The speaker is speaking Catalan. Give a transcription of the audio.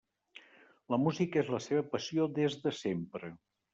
La música és la seva passió des de sempre.